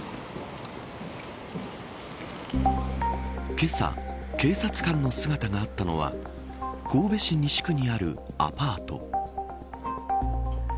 けさ、警察官の姿があったのは神戸市西区にあるアパート。